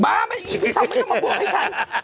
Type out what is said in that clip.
บ้าไปอีกพี่หย่มมาบวกไอ้ฉัน